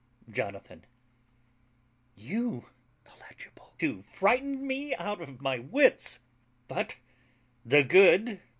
JONATHAN. You ... to frighten me out of my wits. But the good